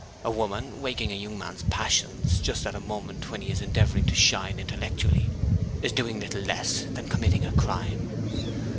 'A woman waking a young man's passions just at a moment when he is endeavouring to shine intellectually, is doing little less than committing a crime.